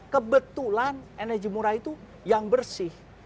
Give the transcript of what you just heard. kebetulan energi murah itu yang bersih